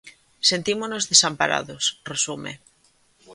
Sentímonos desamparados, resume.